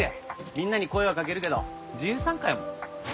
みんなに声はかけるけど自由参加やもん。